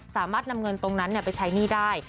สามารถนำเงินตรงนั้นไปใช้หนี้ได้